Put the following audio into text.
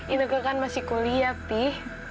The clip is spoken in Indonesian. inaka kan masih kuliah ben